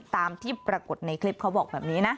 ตามที่ปรากฏในคลิปเขาบอกแบบนี้นะ